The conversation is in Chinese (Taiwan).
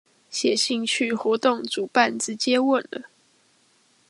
寫信去活動主辦直接問了